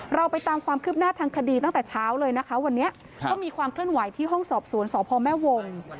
เราไปตามความคืบหน้าทางคดีตั้งแต่เช้าเลยนะคะวันนี้ก็มีความเคลื่อนไหวที่ห้องสอบสวนสพแม่วง